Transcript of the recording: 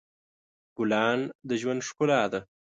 ګلان د ژوند ښکلا ده.